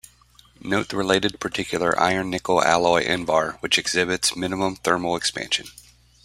Note the related particular Fe-Ni alloy Invar which exhibits minimum thermal expansion.